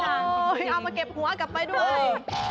เอามาเก็บหัวกลับไปด้วย